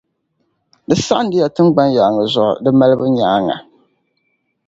Di saɣindi ya tiŋgbani yaaŋa zuɣu di malibu nyaaŋa.